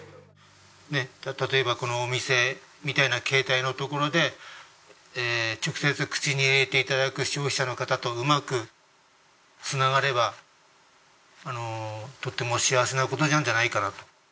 ねえ例えばこのお店みたいな形態のところで直接口に入れて頂く消費者の方とうまく繋がればとても幸せな事なんじゃないかなと。